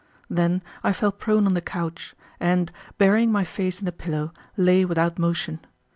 Then I fell prone on the couch, and, burying my face in the pillow, lay without motion.